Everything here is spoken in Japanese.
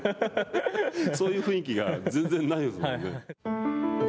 そういう雰囲気が全然ないですもんね。